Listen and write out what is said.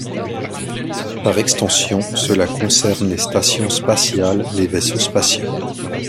Par extension, cela concerne les stations spatiales, les vaisseaux spatiaux...